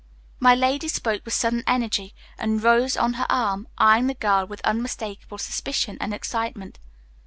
My lady spoke with sudden energy and rose on her arm, eyeing the girl with unmistakable suspicion and excitement.